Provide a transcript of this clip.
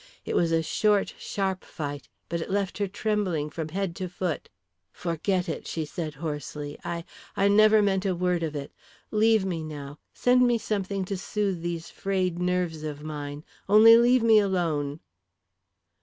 It was a short, sharp fight, but it left her trembling from head to foot. "Forget it," she said, hoarsely. "I I never meant a word of it. Leave me now. Send me something to soothe these frayed nerves of mine. Only leave me alone."